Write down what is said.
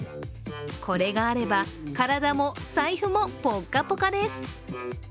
これがあれば体も財布もぽっかぽかです。